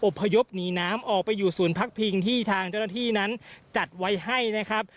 พยพหนีน้ำออกไปอยู่ศูนย์พักพิงที่ทางเจ้าหน้าที่นั้นจัดไว้ให้นะครับ